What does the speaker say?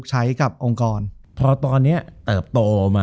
จบการโรงแรมจบการโรงแรม